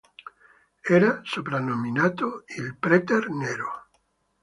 Era soprannominato il "prete nero".